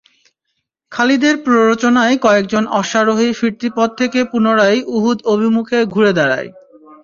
খালিদের প্ররোচনায় কয়েকজন অশ্বারোহী ফিরতি পথ থেকে পুনরায় উহুদ অভিমুখে ঘুরে দাঁড়ায়।